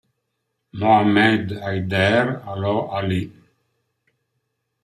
Mohammed Haider Alo Ali